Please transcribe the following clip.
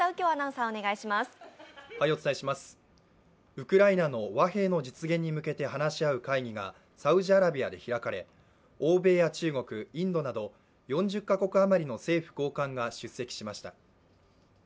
ウクライナの和平の実現に向けて話し合う会議がサウジアラビアで開かれ欧米や中国、インドなど４０か国あまりの政府高官が出席しました。